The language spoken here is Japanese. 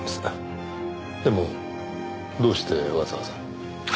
でもどうしてわざわざ？